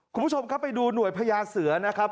คุณผู้ชมครับไปดูหน่วยพญาเสือนะครับ